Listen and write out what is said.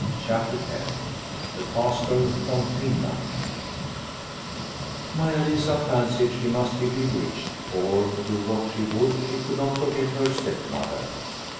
CHAPTER X THE PASTOR FROM FINLAND MAIA LISA fancied she must be be witched, for do what she would she could not forget her stepmother.